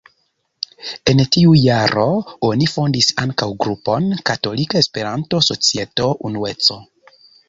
En tiu jaro oni fondis ankaŭ grupon Katolika Esperanto-Societo Unueco.